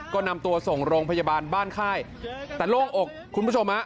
ก็นำตัวส่งโรงพยาบาลบ้านค่ายแต่โล่งอกคุณผู้ชมฮะ